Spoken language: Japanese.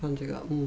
うん